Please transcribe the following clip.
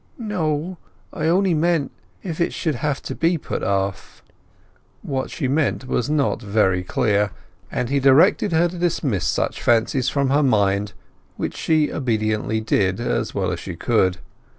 "No—I only meant—if it should have to be put off." What she meant was not very clear, and he directed her to dismiss such fancies from her mind, which she obediently did as well as she could.